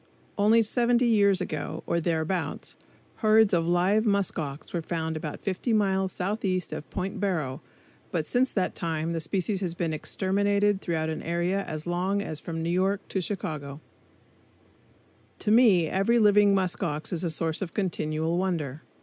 Only seventy years ago, or thereabouts, herds of live musk ox were found about fifty miles southeast of Point Borrow; but since that time the species has been exterminated throughout an area as long as from New York to Chicago. [Illustration: MUSK OX IN THE N. Y. ZOOLOGICAL PARK] To me every living musk ox is a source of continual wonder.